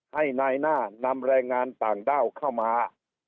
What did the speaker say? ให้นายหน้านำแรงงานต่างด้าวเข้ามา